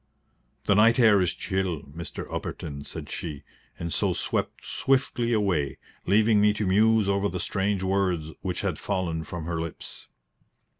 "The night air is chill, Mr. Upperton," said she, and so swept swiftly away, leaving me to muse over the strange words which had fallen from her lips.